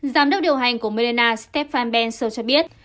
theo điều hành của moderna stefan bensel cho biết